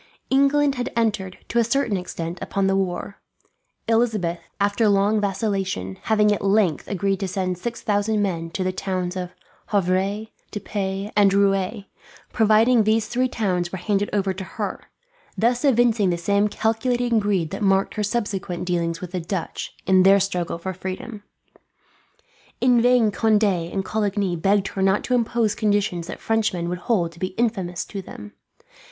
England had entered, to a certain extent, upon the war; Elizabeth, after long vacillation, having at length agreed to send six thousand men to hold the towns of Havre, Dieppe, and Rouen, providing these three towns were handed over to her; thus evincing the same calculating greed that marked her subsequent dealings with the Dutch, in their struggle for freedom. In vain Conde and Coligny begged her not to impose conditions that Frenchmen would hold to be infamous to them.